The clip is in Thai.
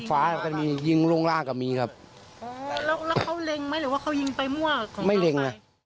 การระยะนี้แล้ววิกิจวัน